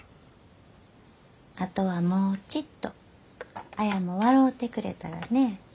あとはもうちっと綾も笑うてくれたらね。